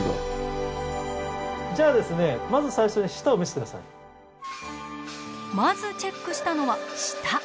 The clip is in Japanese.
じゃあですねまずチェックしたのは舌。